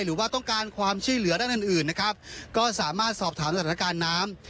หรือว่าต้องการความช่วยเหลือด้านอื่นอื่นนะครับก็สามารถสอบถามสถานการณ์น้ำ